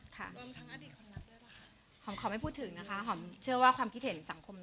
อดีตของนักด้วยนะคะขอบไม่พูดถึงนะคะขอบเชื่อว่าความคิเทศสังคม